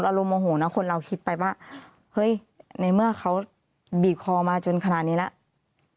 อารมณ์โมโหนะคนเราคิดไปว่าเฮ้ยในเมื่อเขาบีบคอมาจนขนาดนี้แล้ว